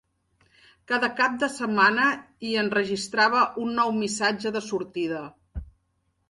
Cada cap de setmana hi enregistrava un nou missatge de sortida.